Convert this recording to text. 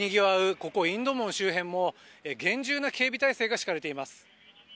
ここインド門周辺も、厳重な警備態勢が敷かれています。